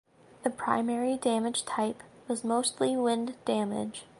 The primary damage type was mostly wind damage.